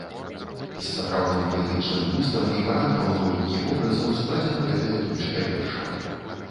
З сапраўдным паэтычным густам і парадкам логікі вобразаў складзена гэтая кніжка вершаў.